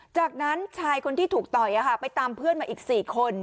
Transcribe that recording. จากนั้นชายคนที่ถูกต่อยไปตามเพื่อนมาอีก๔คน